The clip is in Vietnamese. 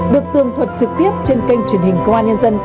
được tường thuật trực tiếp trên kênh truyền hình công an nhân dân